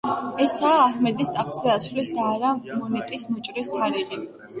ესაა აჰმედის ტახტზე ასვლის და არა მონეტის მოჭრის თარიღი.